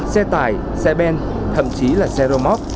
xe tải xe ben thậm chí là xe rơ móc